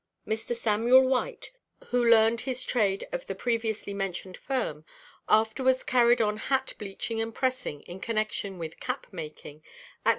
Mr. Samuel White, who learned his trade of the previously mentioned firm, afterwards carried on hat bleaching and pressing in connection with cap making, at No.